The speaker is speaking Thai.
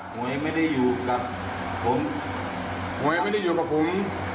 หวยไม่ได้อยู่กับผมหวยไม่ได้อยู่กับผม